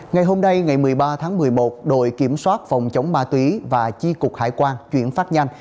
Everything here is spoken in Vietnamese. ngày hôm nay ngày một mươi ba tháng một mươi một đội kiểm soát phòng chống ma túy và chi cục hải quan chuyển phát nhanh